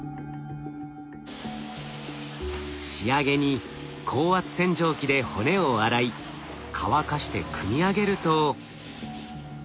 仕上げに高圧洗浄機で骨を洗い乾かして組み上げると。